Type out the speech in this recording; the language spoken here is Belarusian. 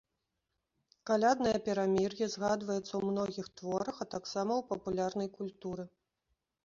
Каляднае перамір'е згадваецца ў многіх творах, а таксама ў папулярнай культуры.